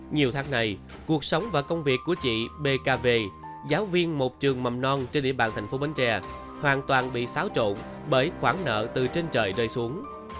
nhiều tháng này cuộc sống và công việc của chị bkv giáo viên một trường mầm non trên địa bàn thành phố bến tre hoàn toàn bị xáo trộn bởi khoản nợ từ trên trời rơi xuống